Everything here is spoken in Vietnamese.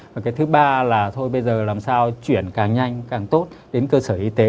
và cái thứ ba là thôi bây giờ làm sao chuyển càng nhanh càng tốt đến cơ sở y tế